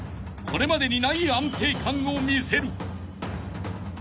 ［これまでにない安定感を見せる］